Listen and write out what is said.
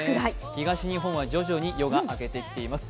東日本は徐々に夜が明けてきています。